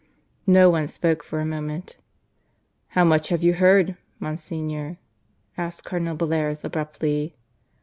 No one spoke for a moment. "How much have you heard, Monsignor?" asked Cardinal Bellairs abruptly.